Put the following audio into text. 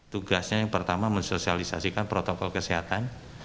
tugasnya yang pertama mensosialisasikan protokol kesehatan